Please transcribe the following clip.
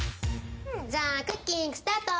じゃあクッキングスタート！